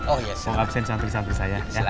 oh ya saya mau absen santri santri saya ya